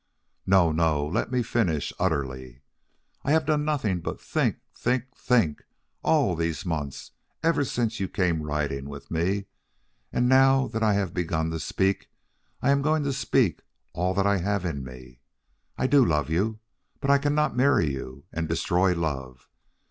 "No, no; let me finish utterly. I have done nothing but think, think, think, all these months, ever since you came riding with me, and now that I have begun to speak I am going to speak all that I have in me. I do love you, but I cannot marry you and destroy love.